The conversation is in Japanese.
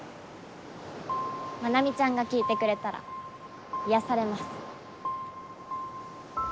愛未ちゃんが聞いてくれたら癒やされます。